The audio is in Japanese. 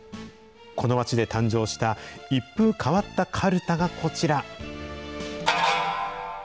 この街で誕生した、一風変わったかるたがこちら。